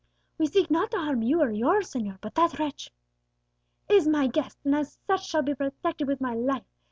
"We seek not to harm you or yours, señor, but that wretch " "Is my guest, and as such shall be protected with my life!"